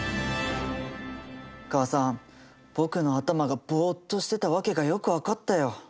お母さん僕の頭がぼっとしてたわけがよく分かったよ。